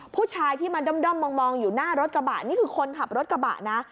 ผู้ชายที่มาด้อมมองอยู่หน้ารถกระบะนี่คือคนขับรถกระบะนะ